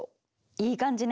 いい感じね。